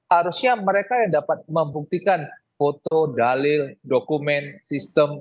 harusnya mereka yang dapat membuktikan foto dalil dokumen sistem